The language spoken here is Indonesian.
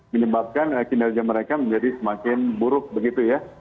menyebabkan kinerja mereka menjadi semakin buruk begitu ya